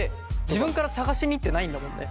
自分から探しに行ってないんだもんね。